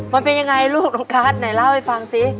มันเป็นยังไงลูกน้องการ์ดไหนเล่าให้ฟังสิ